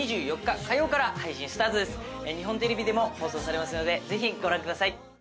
日本テレビでも放送されますのでぜひご覧ください。